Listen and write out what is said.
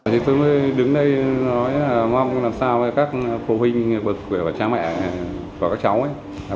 thì tôi mới đứng đây nói là mong làm sao các phụ huynh bực của cha mẹ và các cháu ấy